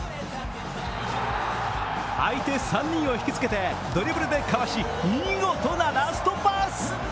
相手３人を引きつけてドリブルでかわし、見事なラストパス。